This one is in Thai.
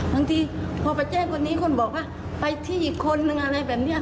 บางทีพอไปแจ้งคนนี้คนบอกว่าไปที่อีกคนนึงอะไรแบบนี้